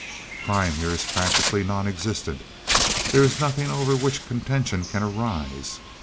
"Crime here is practically non existent; there is nothing over which contention can arise.